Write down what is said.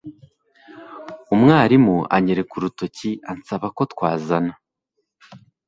umwarimu anyereka urutoki ansaba ko twazana